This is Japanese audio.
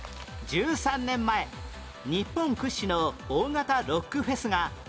１３年前日本屈指の大型ロックフェスが１０周年を迎え